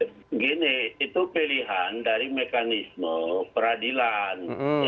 begini itu pilihan dari mekanisme peradilan